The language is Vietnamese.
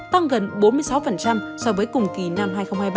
tăng gần bốn mươi sáu so với cùng kỳ năm hai nghìn hai mươi ba